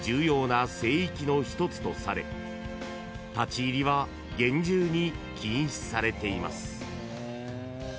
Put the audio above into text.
［の一つとされ立ち入りは厳重に禁止されています］